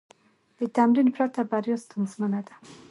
د تمرین پرته، بریا ستونزمنه ده.